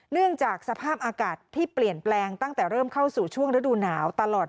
เนื่องจากสภาพอากาศที่เปลี่ยนแปลงตั้งแต่เริ่มเข้าสู่ช่วงฤดูหนาวตลอด